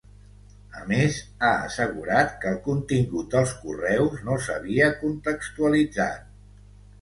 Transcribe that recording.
A més, ha assegurat que el contingut dels correus no s’havia contextualitzat.